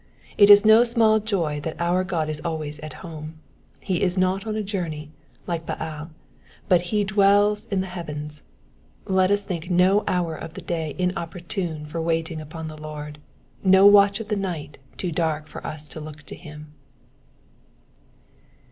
It is no small joy that our God is always at home : he is not on a journey, like Baal, but he dwells in the heavens. Let us think no hour of the day inopportune for waiting upon the Lord ; no watch of the night too dark for us to look to him.